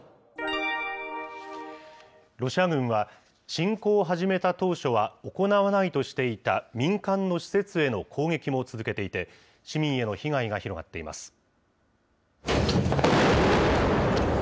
ロシア軍は、侵攻を始めた当初は行わないとしていた民間の施設への攻撃も続けていて、市民への被害が広がっています。